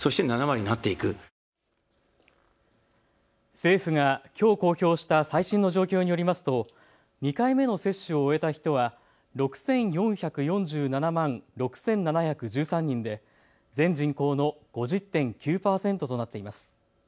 政府がきょう公表した最新の状況によりますと２回目の接種を終えた人は６４４７万６７１３人で全人口の５０．９％となっています。